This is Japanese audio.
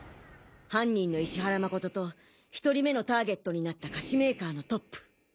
犯人の石原誠と１人目のターゲットになった菓子メーカーのトップ。